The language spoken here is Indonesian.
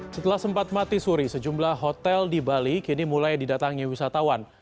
setelah sempat mati suri sejumlah hotel di bali kini mulai didatangi wisatawan